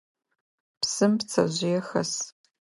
Псым пцэжъые хэс.